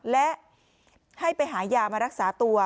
และให้ไปหายามารักษาตัว